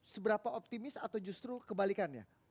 seberapa optimis atau justru kebalikannya